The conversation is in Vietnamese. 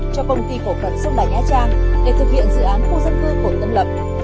cho công ty phổ phận sông đà nha trang để thực hiện dự án khu dân cư cồn tân lập